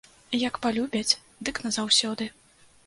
Як палюбяць, дык назаўсёды.